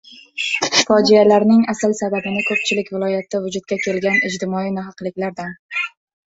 Fojialarning asl sababini ko‘pchilik viloyatda vujudga kelgan ijtimoiy nohaqliklardan